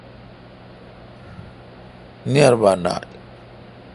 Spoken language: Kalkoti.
نیر با نال۔